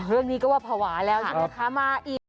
เรื่องนี้ก็ว่าภาวะแล้วใช่มั้ยคะ